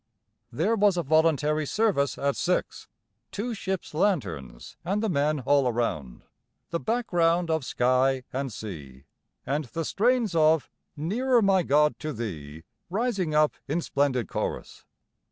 There was a voluntary service at six; two ships' lanterns and the men all around, the background of sky and sea, and the strains of "Nearer my God to Thee" rising up in splendid chorus.